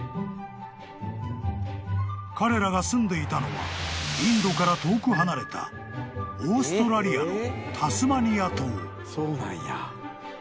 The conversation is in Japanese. ［彼らが住んでいたのはインドから遠く離れたオーストラリアの］